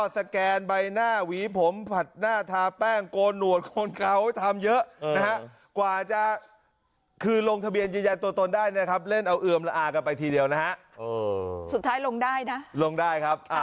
สุดท้ายลงได้นะลงได้ครับอ่ะ